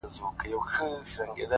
زاهده دغه تا نه غوښتله خدای غوښتله’